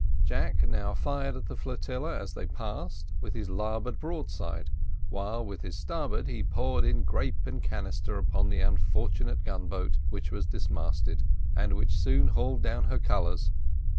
Jack now fired at the flotilla as they passed, with his larboard broadside, while with his starboard he poured in grape and canister upon the unfortunate gun boat which was dismasted, and which soon hauled down her colours.